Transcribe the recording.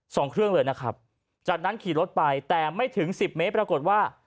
สองเครื่องเลยนะครับจากนั้นขี่รถไปแต่ไม่ถึงสิบเมตรปรากฏว่า